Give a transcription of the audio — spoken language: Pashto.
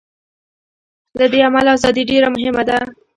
له دې امله ازادي ډېره مهمه ده.